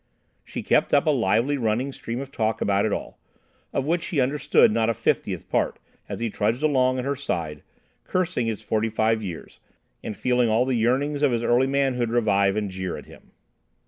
She kept up a lively running stream of talk about it all, of which he understood not a fiftieth part as he trudged along by her side, cursing his forty five years and feeling all the yearnings of his early manhood revive and jeer at him.